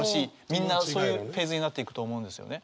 みんなそういうフェーズになっていくと思うんですよね。